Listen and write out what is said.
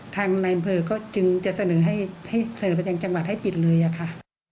ทางนายเบอร์ก็จึงจะเสนอให้เสริมไปจากจังหวัดให้ปิดเลยอะค่ะ